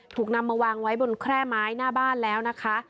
ถูกนำมาวางไว้บนแคร่ไม้หน้าบ้านแล้วนะคะ